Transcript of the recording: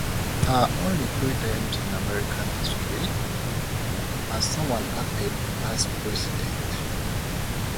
Only three times in American history has someone acted as President.